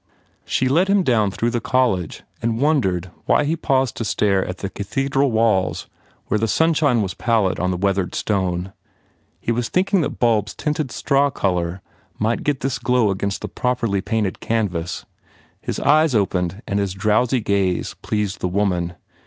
She led him down through the college and wondered why he paused to stare at the cathedral walls where the sunshine was pallid on the weathered stone. He was thinking that bulbs tinted straw colour might get this glow against properly painted canvas His eyes opened and his drowsy gaze pleased the woman.